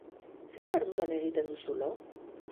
Zein ordutan egiten duzu lo?